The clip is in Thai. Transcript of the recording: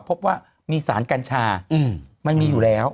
พบว่ามีสารกัญชามันมีอยู่แล้ว